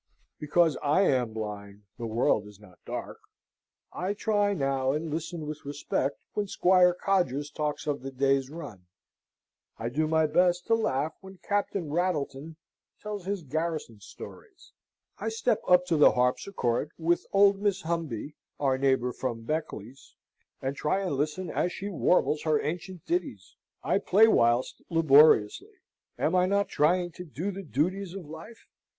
Because I am blind the world is not dark. I try now and listen with respect when Squire Codgers talks of the day's run. I do my best to laugh when Captain Rattleton tells his garrison stories. I step up to the harpsichord with old Miss Humby (our neighbour from Beccles) and try and listen as she warbles her ancient ditties. I play whist laboriously. Am I not trying to do the duties of life?